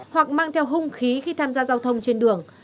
hoặc mang theo hung khí khi tham gia giao thông trên đường